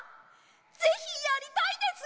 ぜひやりたいです！